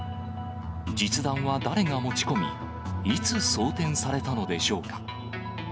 実弾は誰が持ち込み、いつ装填されたのでしょうか。